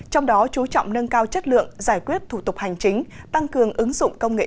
trong đó chú trọng nâng cao chất lượng giải quyết thủ tục hành chính tăng cường ứng dụng công nghệ